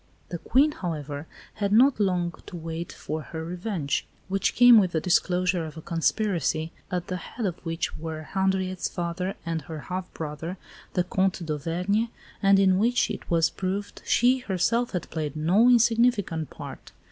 The Queen, however, had not long to wait for her revenge, which came with the disclosure of a conspiracy, at the head of which were Henriette's father and her half brother, the Comte d'Auvergne, and in which, it was proved, she herself had played no insignificant part.